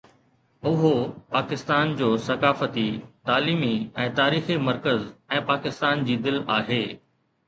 اهو پاڪستان جو ثقافتي، تعليمي ۽ تاريخي مرڪز ۽ پاڪستان جي دل آهي